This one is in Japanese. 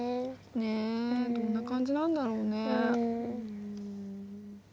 ねえどんな感じなんだろうね？